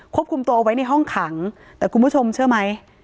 คุมตัวเอาไว้ในห้องขังแต่คุณผู้ชมเชื่อไหม